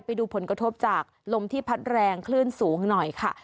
ไปดูผลกระทบจากลมที่พัดแรงคลื่นสูงหน่อยค่ะ